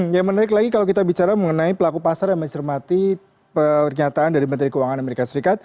yang menarik lagi kalau kita bicara mengenai pelaku pasar yang mencermati pernyataan dari menteri keuangan amerika serikat